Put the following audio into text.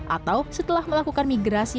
atau setelah melakukan migrasi